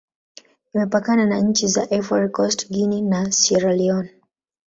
Imepakana na nchi za Ivory Coast, Guinea, na Sierra Leone.